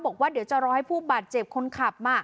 บอกว่าเดี๋ยวจะรอให้ผู้บาดเจ็บคนขับ